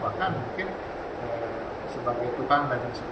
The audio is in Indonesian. pegawai di pohon